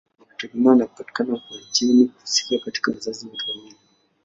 Inategemea na kupatikana kwa jeni husika katika wazazi wote wawili.